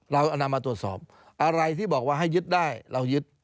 เรานำมาตรวจสอบอะไรที่บอกว่าให้ยึดได้เรายึด